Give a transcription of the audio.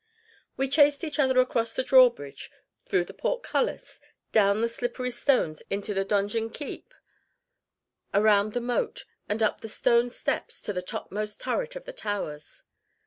We chased each other across the drawbridge, through the portcullis, down the slippery stones into the donjon keep, around the moat, and up the stone steps to the topmost turret of the towers.